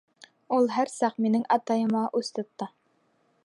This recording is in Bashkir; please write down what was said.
Ул һәр саҡ минең атайыма үс тотто.